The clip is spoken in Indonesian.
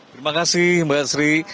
terima kasih mbak sri